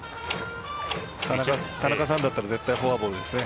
田中さんだったら絶対フォアボールですね。